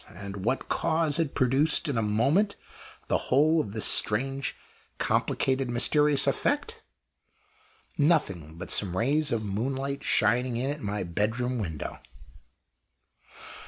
And what cause had produced in a moment the whole of this strange, complicated, mysterious effect? Nothing but some rays of moonlight shining in at my bedroom window.